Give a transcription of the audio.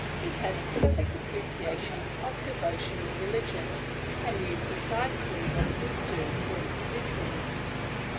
He had a perfect appreciation of devotional religion, and knew precisely what it would do for individuals.